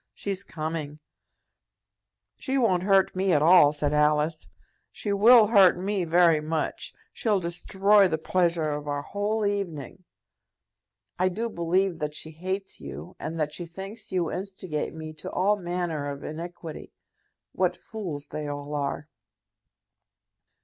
She's coming." "She won't hurt me at all," said Alice. "She will hurt me very much. She'll destroy the pleasure of our whole evening. I do believe that she hates you, and that she thinks you instigate me to all manner of iniquity. What fools they all are!"